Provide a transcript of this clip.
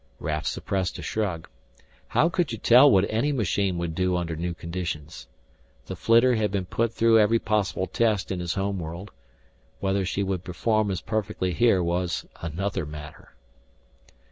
Raf suppressed a shrug. How could you tell what any machine would do under new conditions? The flitter had been put through every possible test in his home world. Whether she would perform as perfectly here was another matter.